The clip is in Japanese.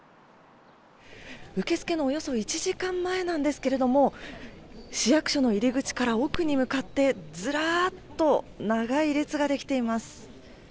受け付けのおよそ１時間前なんですけれども、市役所の入り口から奥に向かって、ずらーっと長い列が出来ています。